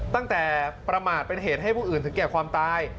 ประมาทเป็นเหตุให้ผู้อื่นถึงแก่ความตาย